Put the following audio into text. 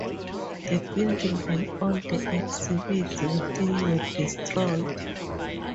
The building and all the exhibits within were destroyed.